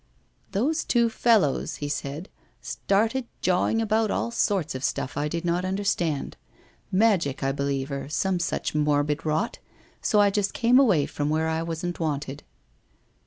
' Those two fellows,' he said, ' started jawing about all sorts of stuff I did not understand — magic, I believe, or some such morbid rot, so I just came away from where I wasn't wanted.'